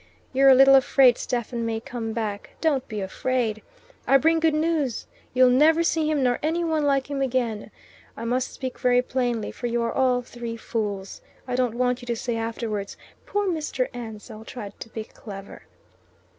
You're a little afraid Stephen may come back. Don't be afraid. I bring good news. You'll never see him nor any one like him again. I must speak very plainly, for you are all three fools. I don't want you to say afterwards, 'Poor Mr. Ansell tried to be clever.